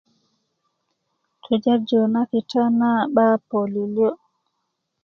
kega'yu na kita na bá palyälyä